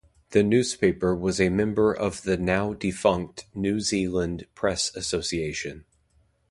The newspaper was a member of the now defunct New Zealand Press Association.